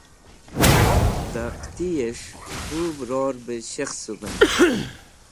da qiti'esh hub ror b shekhsuven